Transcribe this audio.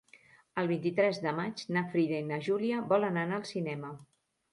El vint-i-tres de maig na Frida i na Júlia volen anar al cinema.